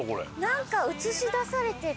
なんか映し出されてる。